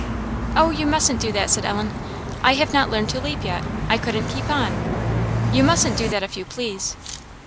"Oh, you mustn't do that." said Ellen "I have not learned to leap yet I couldn't keep on you musn't do that if you please."